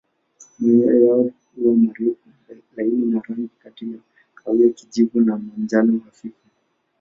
Manyoya yao huwa marefu laini na rangi kati ya kahawia kijivu na manjano hafifu.